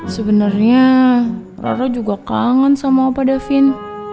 sebenernya rara juga kangen sama apa davin